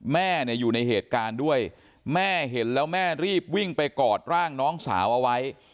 แม่เนี่ยอยู่ในเหตุการณ์ด้วยแม่เห็นแล้วแม่รีบวิ่งไปกอดร่างน้องสาวเอาไว้